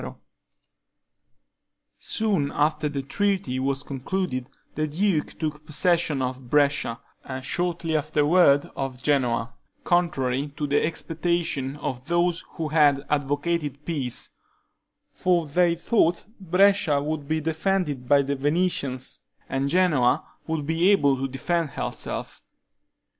Soon after the treaty was concluded, the duke took possession of Brescia, and shortly afterward of Genoa, contrary to the expectation of those who had advocated peace; for they thought Brescia would be defended by the Venetians, and Genoa would be able to defend herself.